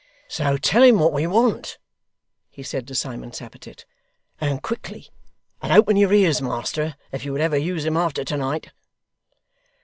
'So, tell him what we want,' he said to Simon Tappertit, 'and quickly. And open your ears, master, if you would ever use them after to night.